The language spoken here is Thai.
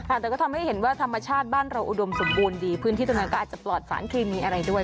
แต่ก็ทำให้เห็นว่าธรรมชาติบ้านเราอุดมสมบูรณ์ดีพื้นที่ตรงนั้นก็อาจจะปลอดสารเคมีอะไรด้วย